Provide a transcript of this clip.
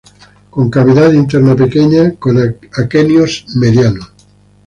Con cavidad interna pequeña, con aquenios medianos.